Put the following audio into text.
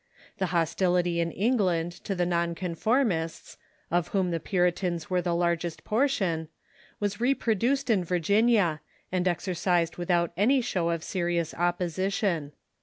The hostility in England to the non conformists, of whom the Puritans were the larg est portion, was reproduced in Virginia, and exercised with out any show of serious opposition.